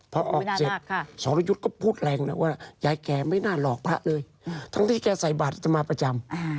พอออกเสร็จสอรยุทธ์ก็พูดแรงนะว่ายายแกไม่น่าหลอกพระเลยทั้งที่แกใส่บาทจะมาประจำ